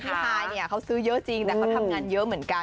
ฮายเนี่ยเขาซื้อเยอะจริงแต่เขาทำงานเยอะเหมือนกัน